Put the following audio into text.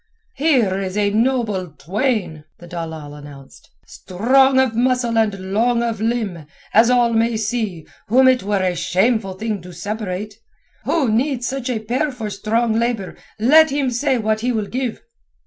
"Here is a noble twain," the dalal announced, "strong of muscle and long of limb, as all may see, whom it were a shameful thing to separate. Who needs such a pair for strong labour let him say what he will give."